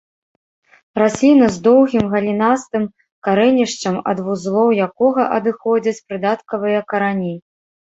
Расліна з доўгім галінастым карэнішчам, ад вузлоў якога адыходзяць прыдаткавыя карані.